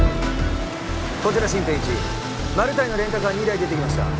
こちらシンペン１マルタイのレンタカー２台出てきました